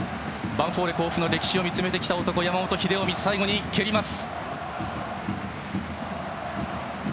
ヴァンフォーレ甲府の歴史を見つめてきた山本英臣、最後に蹴ります。